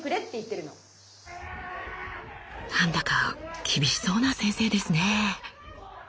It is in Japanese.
なんだか厳しそうな先生ですね。